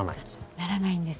ならないんです。